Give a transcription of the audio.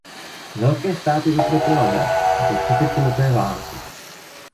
Velké ztráty utrpěla ves za třicetileté války.